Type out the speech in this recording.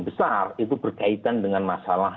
besar itu berkaitan dengan masalah